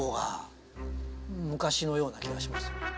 のような気がします。